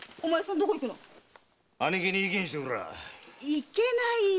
いけないよ